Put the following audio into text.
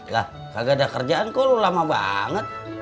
lah kagak ada kerjaan kok lu lama banget